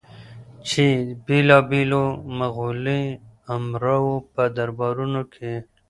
چې بېلابېلو مغولي امراوو په دربارونو کې